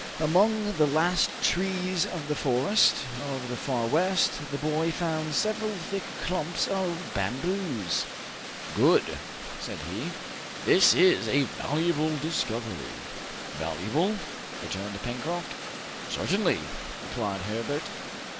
Among the last trees of the forest of the Far West, the boy found several thick clumps of bamboos. "Good," said he; "this is a valuable discovery." "Valuable?" returned Pencroft. "Certainly," replied Herbert.